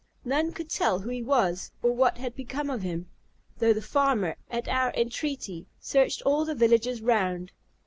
None could tell who he was, or what had become of him; though the farmer, at our entreaty, searched all the villages round.